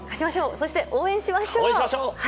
そして応援しましょう！